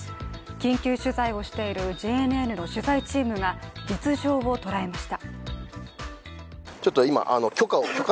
緊急取材をしているＪＮＮの取材チームが捉えました。